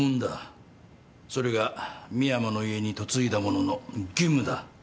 それが深山の家に嫁いだ者の義務だ。